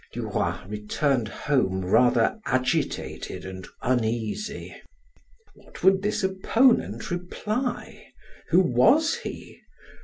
Duroy returned home rather agitated and uneasy. What would this opponent reply? Who was he?